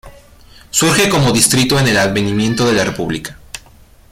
Surge como distrito con el advenimiento de la república.